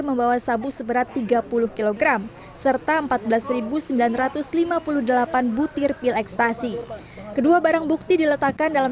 membawa sabu seberat tiga puluh kg serta empat belas sembilan ratus lima puluh delapan butir pil ekstasi kedua barang bukti diletakkan dalam